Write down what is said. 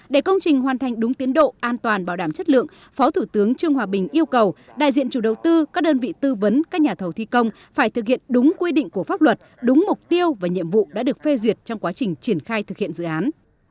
để công trình hoàn thành đúng tiến độ an toàn bảo đảm chất lượng phó thủ tướng trương hòa bình yêu cầu đại diện chủ đầu tư các đơn vị tư vấn các nhà thầu thi công phải thực hiện đúng quy định của pháp luật đúng mục tiêu và nhiệm vụ đã được phê duyệt trong quá trình triển khai thực hiện dự án